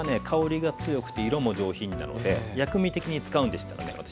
香りが強くて色も上品なので薬味的に使うんでしたらね